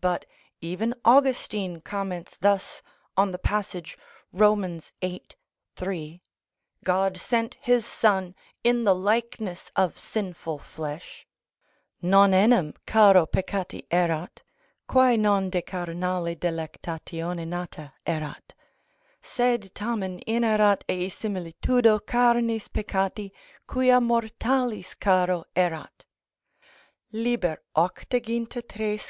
But even Augustine comments thus on the passage, Rom. viii. 3, "God sent his Son in the likeness of sinful flesh:" "_Non enim caro peccati erat, quæ non de carnali delectatione nata erat: sed tamen inerat ei similitudo carnis peccati, quia mortalis caro erat_" (Liber 83, _quæst.